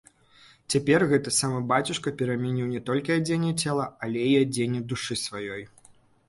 Цяпер гэты самы бацюшка перамяніў не толькі адзенне цела, але і адзенне душы сваёй.